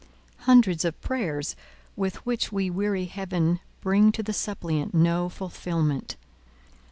Hundreds of the prayers with which we weary Heaven bring to the suppliant no fulfilment.